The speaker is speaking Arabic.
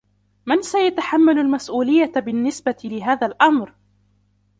من سيتحمل المسؤولية بالنسبة لهذا الأمر ؟